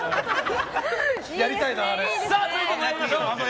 続いて参りましょう。